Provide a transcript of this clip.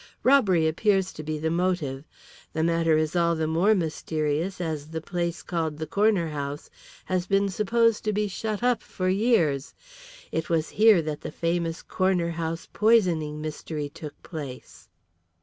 Robbery appears to be the motive. The matter is all the more mysterious as the place called the Corner House has been supposed to be shut up for years. It was here that the famous "Corner House" poisoning mystery took place.